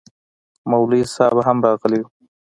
مولوي صاحب هم راغلی و